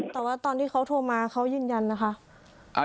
แต่ว่าตอนที่เขาโทรมาเขายืนยันนะคะ